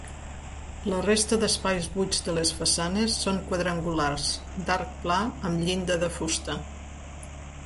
La resta d'espais buits de les façanes són quadrangulars d'arc pla amb llinda de fusta.